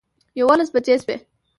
یوولس بجې شوې.